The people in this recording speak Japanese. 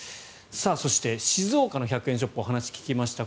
そして静岡の１００円ショップにお話を聞きました。